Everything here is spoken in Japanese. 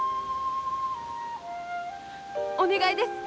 お願いです。